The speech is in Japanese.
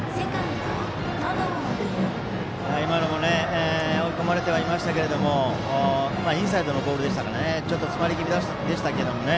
今のも追い込まれてはいましたけどインサイドのボールでしたからちょっと詰まり気味でしたけどね。